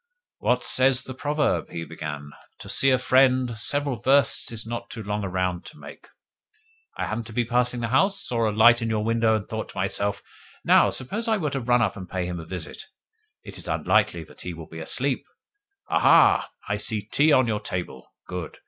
"What says the proverb?" he began. "'To see a friend, seven versts is not too long a round to make.' I happened to be passing the house, saw a light in your window, and thought to myself: 'Now, suppose I were to run up and pay him a visit? It is unlikely that he will be asleep.' Ah, ha! I see tea on your table! Good!